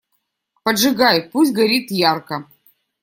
Поджигай, пусть горит ярко!